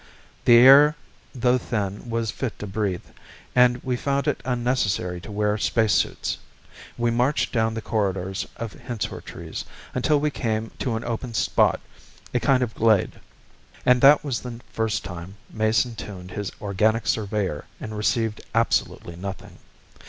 The air though thin was fit to breathe, and we found it unnecessary to wear space suits. We marched down the corridors of hensorr trees, until we came to an open spot, a kind of glade. And that was the first time Mason tuned his organic surveyor and received absolutely nothing.